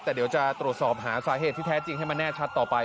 แต่เดี๋ยวจะตรวจสอบหาสาเหตุที่แท้จริงให้มันแน่ชัดต่อไป